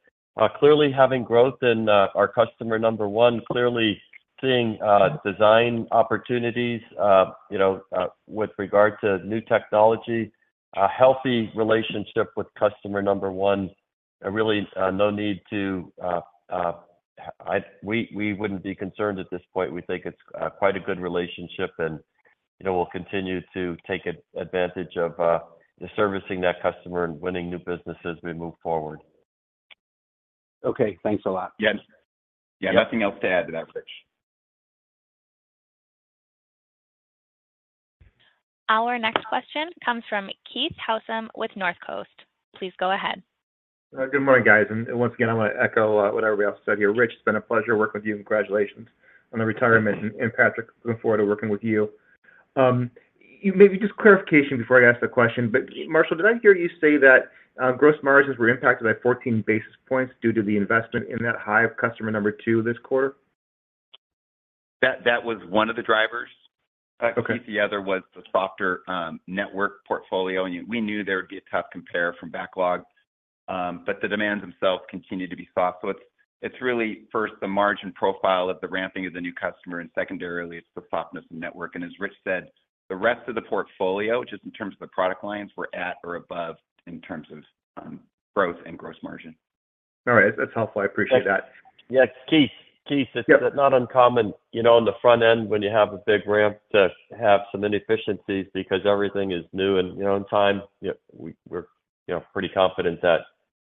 S3: Clearly, having growth in our customer number one, clearly seeing design opportunities, you know, with regard to new technology, a healthy relationship with customer number one, really no need to... We, we wouldn't be concerned at this point. We think it's quite a good relationship, and, you know, we'll continue to take advantage of servicing that customer and winning new business as we move forward.
S12: Okay. Thanks a lot.
S5: Yes. Yeah, nothing else to add to that, Rich.
S1: Our next question comes from Keith Housum with Northcoast. Please go ahead.
S13: Good morning, guys, and once again, I want to echo what everybody else said here. Rich, it's been a pleasure working with you, and congratulations on the retirement. Patrick, looking forward to working with you. Maybe just clarification before I ask the question, but Marshall, did I hear you say that gross margins were impacted by 14 basis points due to the investment in that Hyve customer number two this quarter?
S5: That was one of the drivers.
S13: Okay.
S5: The other was the softer network portfolio, and we knew there would be a tough compare from backlog, but the demands themselves continued to be soft. So it's, it's really first, the margin profile of the ramping of the new customer, and secondarily, it's the softness of network. And as Rich said, the rest of the portfolio, just in terms of the product lines, were at or above in terms of growth and gross margin.
S13: All right, that's helpful. I appreciate that.
S3: Yeah, Keith.
S13: Yep.
S3: It's not uncommon, you know, on the front end when you have a big ramp, to have some inefficiencies because everything is new and, you know, in time, yep, we're, you know, pretty confident that,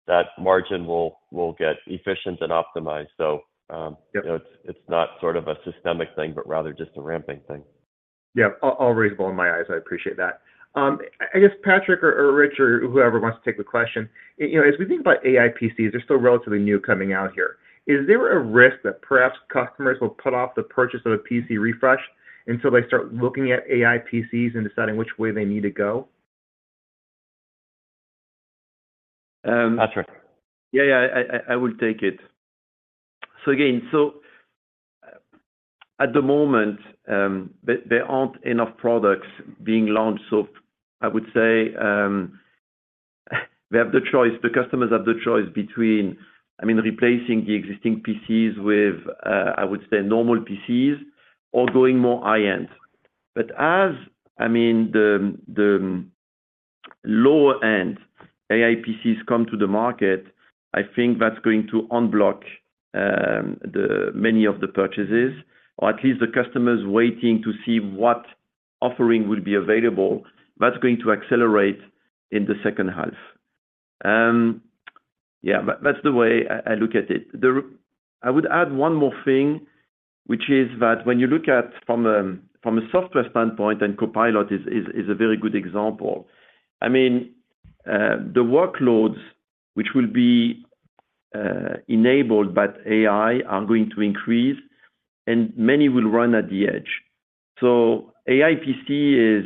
S3: that margin will, will get efficient and optimized. So,
S13: Yep...
S3: you know, it's not sort of a systemic thing, but rather just a ramping thing.
S13: Yeah. I'll raise both my hands. I appreciate that. I guess Patrick or Rich, or whoever wants to take the question: You know, as we think about AI PCs, they're still relatively new coming out here. Is there a risk that perhaps customers will put off the purchase of a PC refresh until they start looking at AI PCs and deciding which way they need to go?
S5: Um-
S3: Patrick?
S4: Yeah, yeah, I will take it. So again, at the moment, there aren't enough products being launched. So I would say, they have the choice—the customers have the choice between, I mean, replacing the existing PCs with, I would say, normal PCs or going more high-end. But as, I mean, the lower-end AI PCs come to the market, I think that's going to unblock many of the purchases, or at least the customers waiting to see what offering will be available. That's going to accelerate in the second half. Yeah, that's the way I look at it. I would add one more thing, which is that when you look at from a software standpoint, and Copilot is a very good example. I mean, the workloads which will be enabled by AI are going to increase, and many will run at the edge. So AI PC is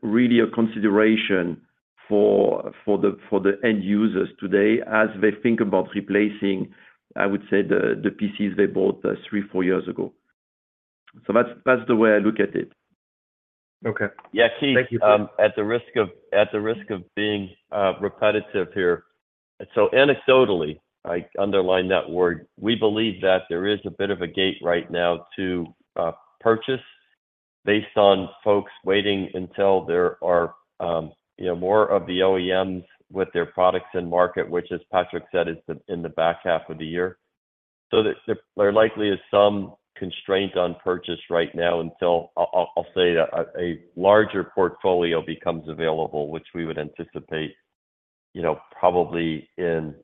S4: really a consideration for the end users today as they think about replacing, I would say, the PCs they bought 3, 4 years ago. So that's the way I look at it.
S13: Okay.
S3: Yeah, Keith-
S13: Thank you.
S3: At the risk of being repetitive here. So anecdotally, I underline that word, we believe that there is a bit of a gate right now to purchase based on folks waiting until there are, you know, more of the OEMs with their products in market, which, as Patrick said, is in the back half of the year. So there likely is some constraint on purchase right now until I'll say a larger portfolio becomes available, which we would anticipate, you know, probably in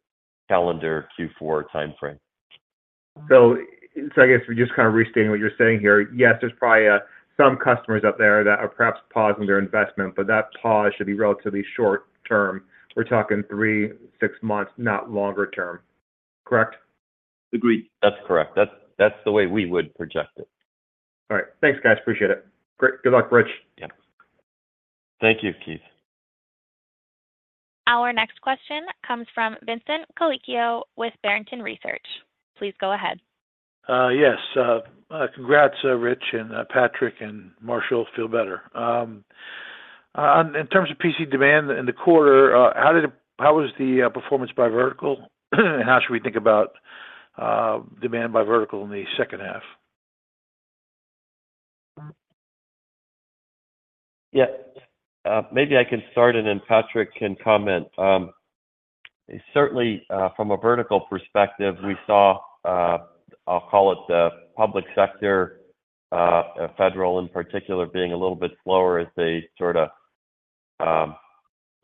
S3: calendar Q4 timeframe.
S13: So, I guess we're just kind of restating what you're saying here. Yes, there's probably some customers out there that are perhaps pausing their investment, but that pause should be relatively short term. We're talking 3, 6 months, not longer term. Correct?
S4: Agreed.
S3: That's correct. That's, that's the way we would project it.
S13: All right. Thanks, guys. Appreciate it. Great. Good luck, Rich.
S3: Yeah.
S4: Thank you, Keith.
S1: Our next question comes from Vincent Colicchio with Barrington Research. Please go ahead.
S14: Yes, congrats, Rich and Patrick, and Marshall, feel better. In terms of PC demand in the quarter, how was the performance by vertical? And how should we think about demand by vertical in the second half?
S3: Yeah, maybe I can start and then Patrick can comment. Certainly, from a vertical perspective, we saw, I'll call it the public sector, federal in particular, being a little bit slower as they sort of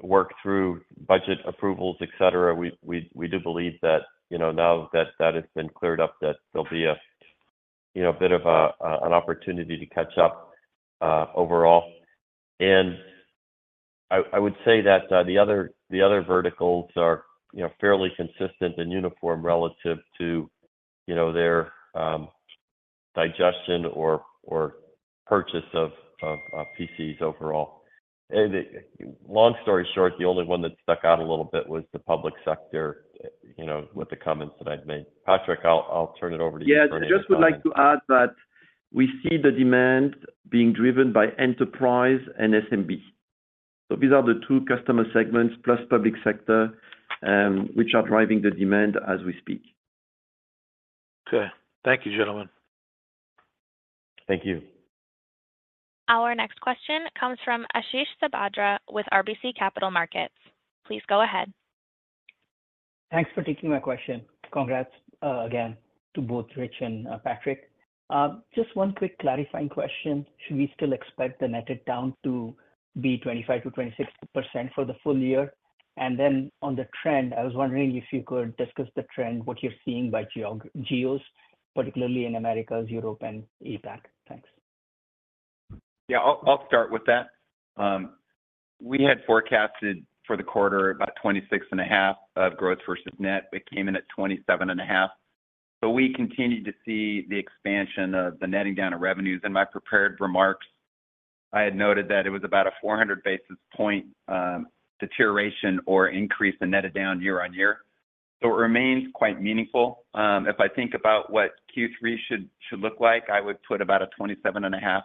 S3: work through budget approvals, et cetera. We do believe that, you know, now that that has been cleared up, that there'll be a, you know, a bit of a, a, an opportunity to catch up, overall. And I would say that, the other verticals are, you know, fairly consistent and uniform relative to, you know, their digestion or purchase of PCs overall. And long story short, the only one that stuck out a little bit was the public sector, you know, with the comments that I'd made. Patrick, I'll turn it over to you.
S4: Yeah, I just would like to add that we see the demand being driven by enterprise and SMB. So these are the two customer segments, plus public sector, which are driving the demand as we speak.
S14: Okay. Thank you, gentlemen.
S3: Thank you.
S1: Our next question comes from Ashish Sabadra with RBC Capital Markets. Please go ahead.
S15: Thanks for taking my question. Congrats again to both Rich and Patrick. Just one quick clarifying question: Should we still expect the netted down to be 25%-26% for the full year? Then on the trend, I was wondering if you could discuss the trend, what you're seeing by geos, particularly in Americas, Europe, and APAC. Thanks.
S5: Yeah, I'll, I'll start with that. We had forecasted for the quarter about 26.5 of growth versus net. It came in at 27.5. So we continued to see the expansion of the netting down of revenues. In my prepared remarks, I had noted that it was about a 400 basis point deterioration or increase in netted down year-on-year. So it remains quite meaningful. If I think about what Q3 should look like, I would put about a 27.5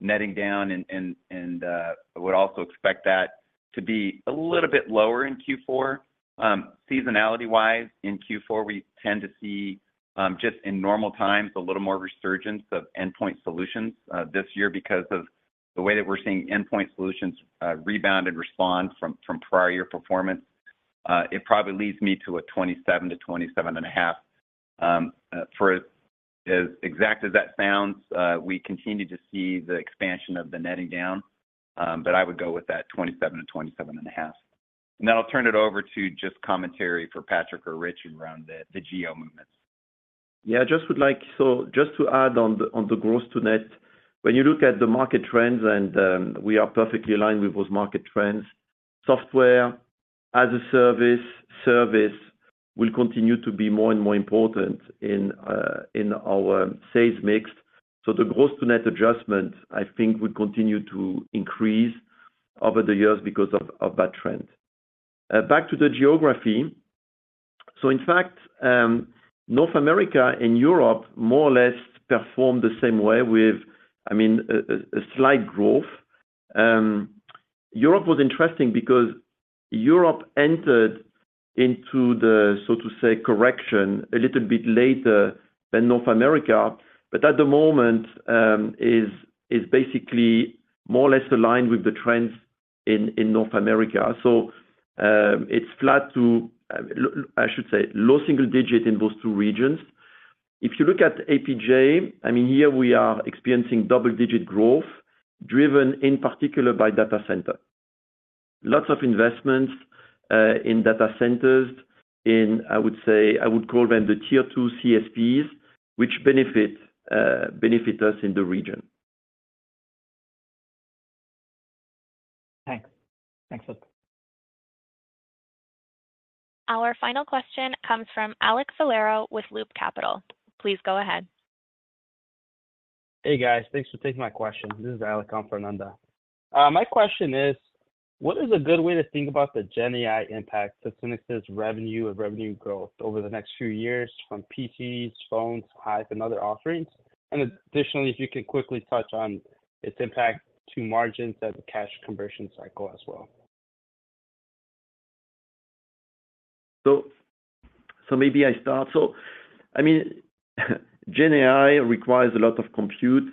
S5: netting down and I would also expect that to be a little bit lower in Q4. Seasonality-wise, in Q4, we tend to see just in normal times, a little more resurgence of Endpoint Solutions this year because of- ... the way that we're seeing Endpoint Solutions rebound and respond from prior year performance, it probably leads me to 27-27.5. For as exact as that sounds, we continue to see the expansion of the netting down, but I would go with that 27-27.5. And then I'll turn it over to just commentary for Patrick or Rich around the geo movements.
S4: Yeah, I just would like. So just to add on the gross to net. When you look at the market trends, and we are perfectly aligned with those market trends, software as a service will continue to be more and more important in our sales mix. So the gross to net adjustment, I think, would continue to increase over the years because of that trend. Back to the geography. So in fact, North America and Europe more or less performed the same way with, I mean, a slight growth. Europe was interesting because Europe entered into the, so to say, correction a little bit later than North America, but at the moment, is basically more or less aligned with the trends in North America. So, it's flat to, I should say, low single-digit in those two regions. If you look at APJ, I mean, here we are experiencing double-digit growth, driven in particular by data center. Lots of investments in data centers, in, I would say, I would call them the tier two CSPs, which benefit us in the region.
S15: Thanks. Thanks, folks.
S1: Our final question comes from Alex Valero with Loop Capital. Please go ahead.
S16: Hey, guys. Thanks for taking my question. This is Alek Valero. My question is, what is a good way to think about the GenAI impact to SYNNEX's revenue or revenue growth over the next few years from PCs, phones, Hyve, and other offerings? And additionally, if you can quickly touch on its impact to margins as a cash conversion cycle as well.
S4: So maybe I start. So I mean, GenAI requires a lot of compute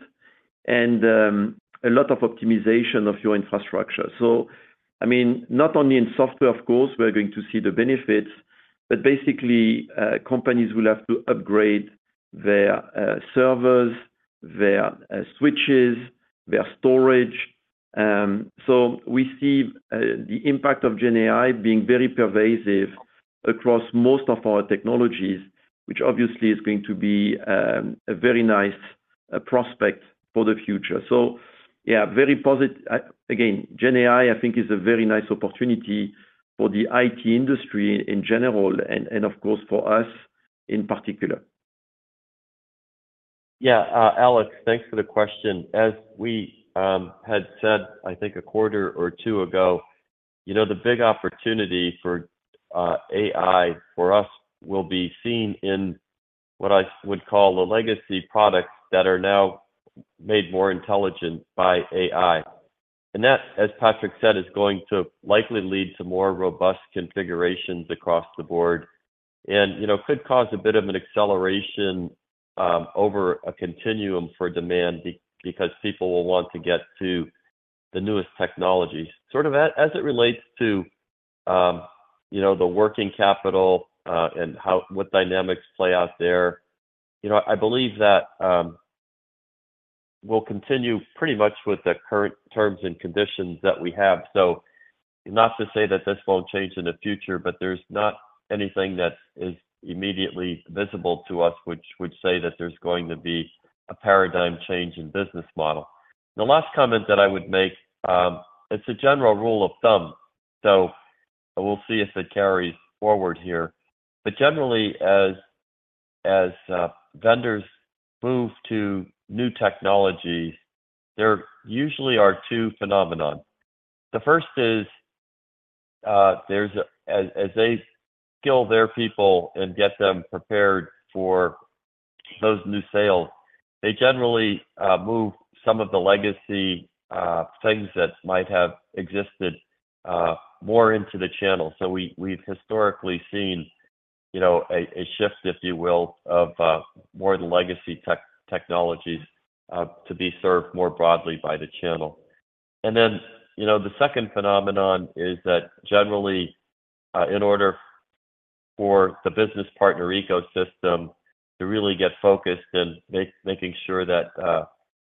S4: and a lot of optimization of your infrastructure. So I mean, not only in software, of course, we are going to see the benefits, but basically, companies will have to upgrade their servers, their switches, their storage. So we see the impact of GenAI being very pervasive across most of our technologies, which obviously is going to be a very nice prospect for the future. So yeah, again, GenAI, I think is a very nice opportunity for the IT industry in general and, of course, for us in particular.
S3: Yeah. Alex, thanks for the question. As we had said, I think a quarter or two ago, you know, the big opportunity for AI for us will be seen in what I would call the legacy products that are now made more intelligent by AI. And that, as Patrick said, is going to likely lead to more robust configurations across the board and, you know, could cause a bit of an acceleration over a continuum for demand because people will want to get to the newest technologies. As it relates to, you know, the working capital and how what dynamics play out there, you know, I believe that we'll continue pretty much with the current terms and conditions that we have. So not to say that this won't change in the future, but there's not anything that is immediately visible to us, which would say that there's going to be a paradigm change in business model. The last comment that I would make, it's a general rule of thumb, so we'll see if it carries forward here. But generally, as vendors move to new technologies, there usually are two phenomena. The first is, as they skill their people and get them prepared for those new sales, they generally move some of the legacy things that might have existed more into the channel. So we, we've historically seen, you know, a shift, if you will, of more of the legacy technologies to be served more broadly by the channel. And then, you know, the second phenomenon is that generally, in order for the business partner ecosystem to really get focused in making sure that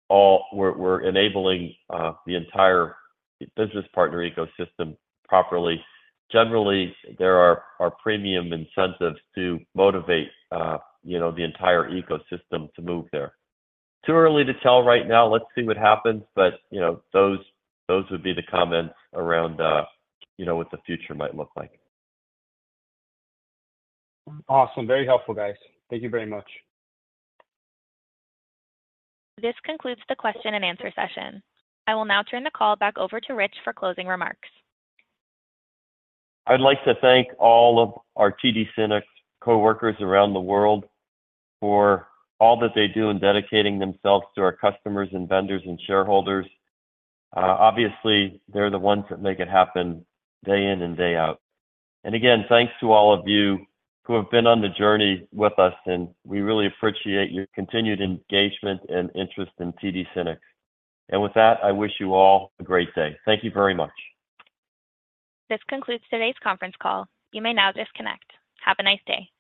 S3: all we're enabling the entire business partner ecosystem properly. Generally, there are premium incentives to motivate, you know, the entire ecosystem to move there. Too early to tell right now, let's see what happens, but, you know, those would be the comments around, you know, what the future might look like.
S16: Awesome. Very helpful, guys. Thank you very much.
S1: This concludes the question and answer session. I will now turn the call back over to Rich for closing remarks.
S3: I'd like to thank all of our TD SYNNEX coworkers around the world for all that they do in dedicating themselves to our customers and vendors and shareholders. Obviously, they're the ones that make it happen day in and day out. And again, thanks to all of you who have been on the journey with us, and we really appreciate your continued engagement and interest in TD SYNNEX. And with that, I wish you all a great day. Thank you very much.
S1: This concludes today's conference call. You may now disconnect. Have a nice day.